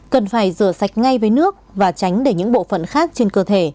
cần phải rửa sạch ngay với nước và tránh để những bộ phận khác trên cơ thể